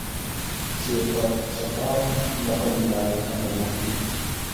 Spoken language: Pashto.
چې پر چترال له بلې لارې حمله وکړي.